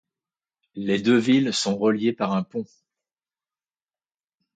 Les deux villes sont reliées par un pont.